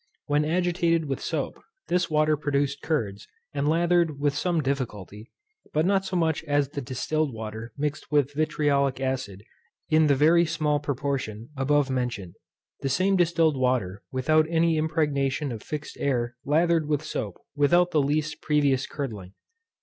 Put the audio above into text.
When agitated with soap, this water produced curds, and lathered with some difficulty; but not so much as the distilled water mixed with vitriolic acid in the very small proportion above mentioned. The same distilled water without any impregnation of fixed air lathered with soap without the least previous curdling.